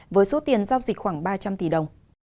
với số tiền giao dịch khoảng ba trăm linh tỷ đồng